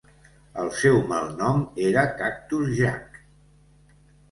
El seu malnom era Cactus Jack.